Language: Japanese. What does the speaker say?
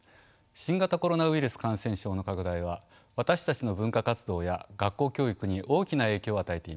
新型コロナウイルス感染症の拡大は私たちの文化活動や学校教育に大きな影響を与えています。